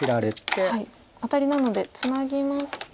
アタリなのでツナぎますと。